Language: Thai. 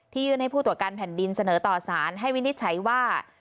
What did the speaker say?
ยื่นให้ผู้ตรวจการแผ่นดินเสนอต่อสารให้วินิจฉัยว่า